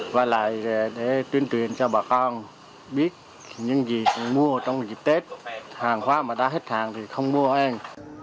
và lại để tuyên truyền cho bà con biết những gì mua trong dịp tết hàng hóa mà đã hết hàng thì không mua hoang